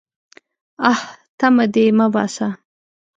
_اه! تمه دې مه باسه.